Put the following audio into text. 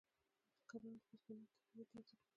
کرنه د بزګرانو د تولیداتو ارزښت لوړوي.